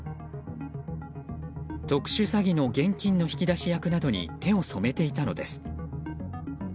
特殊詐欺の現金の引き出し役などに手を染めていたのです。